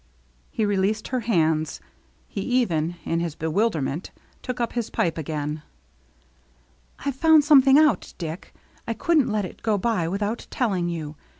He released her hands. He even, in his bewilderment, took up his pipe again. " I've found something out, Dick. I couldn't let it go by without telling you.